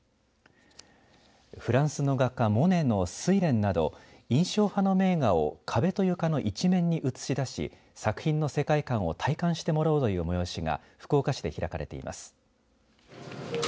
フランスの画家モネの睡蓮など印象派の名画を壁と床の一面に映し出し作品の世界観を体感してもらおうという催しが福岡市で開かれています。